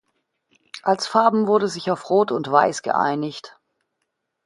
Als Farben wurde sich auf Rot und Weiß geeinigt.